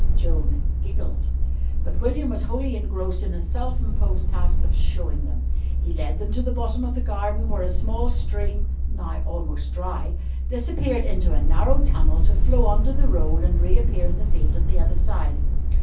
Joan giggled. But William was wholly engrossed in his self imposed task of "showing them." He led them to the bottom of the garden, where a small stream (now almost dry) disappeared into a narrow tunnel to flow under the road and reappear in the field at the other side.